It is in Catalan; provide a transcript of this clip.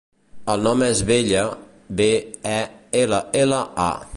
El nom és Bella: be, e, ela, ela, a.